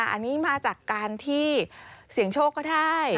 อันนี้มาจากการที่เสี่ยงโชคก็ได้